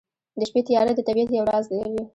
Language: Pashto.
د شپې تیاره د طبیعت یو راز لري.